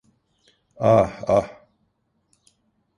Ah, ah…